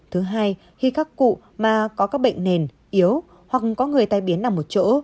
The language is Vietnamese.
thứ hai khi các cụ mà có các bệnh nền yếu hoặc có người tai biến nằm một chỗ